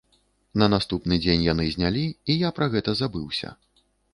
На наступны дзень яны знялі, і я пра гэта забыўся.